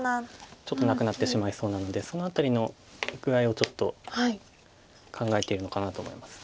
ちょっとなくなってしまいそうなのでその辺りの具合をちょっと考えているのかなと思います。